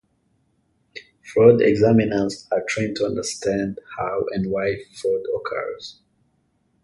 Fraud examiners are trained to understand how and why fraud occurs.